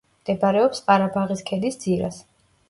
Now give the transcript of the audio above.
მდებარეობს ყარაბაღის ქედის ძირას.